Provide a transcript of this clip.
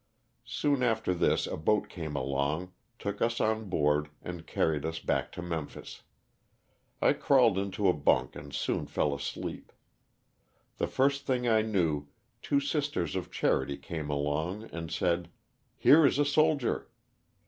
Soon after this a boat came along, took us on board and carried us back to Memphis. I crawled into a bunk and soon fell asleep. The first thing I knew two Sisters of Charit;y came along and said, " Here is a soldier.''